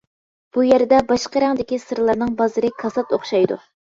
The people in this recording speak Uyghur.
بۇ يەردە باشقا رەڭدىكى سىرلارنىڭ بازىرى كاسات ئوخشايدۇ.